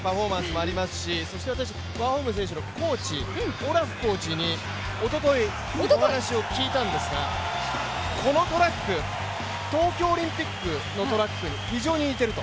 そして私、ワーホルム選手のコーチオラフコーチにおとといお話を聞いたんですが、このトラック、東京オリンピックのトラックに非常に似ていると。